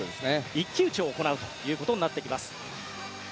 一騎打ちを行うということになってきます。